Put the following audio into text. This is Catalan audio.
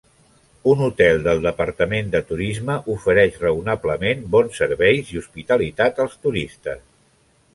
Un hotel del departament de turisme ofereix raonablement bons serveis i hospitalitat als turistes.